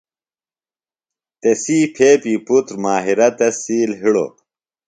تسی پھیپی پُتر ماہرہ تس سِیل ہِڑوۡ۔